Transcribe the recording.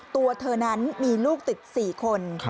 ตัวเธอนั้นมีลูกติด๔คน